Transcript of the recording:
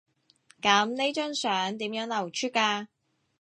噉呢張相點樣流出㗎？